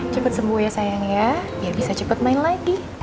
cepet sembuh ya sayang ya bisa cepet main lagi